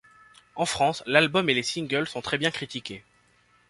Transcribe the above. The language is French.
En France, l'album et les singles sont très bien critiqués.